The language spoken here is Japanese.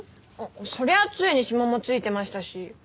そりゃあ杖に指紋も付いてましたし。